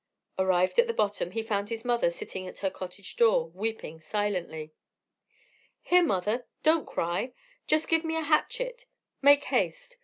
Arrived at the bottom, he found his mother sitting at her cottage door, weeping silently. "Here, mother, don't cry; just give me a hatchet; make haste."